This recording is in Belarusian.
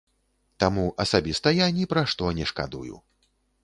Таму асабіста я ні пра што не шкадую.